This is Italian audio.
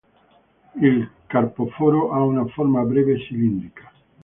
Il carpoforo ha una forma breve-cilindrica.